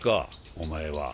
お前は。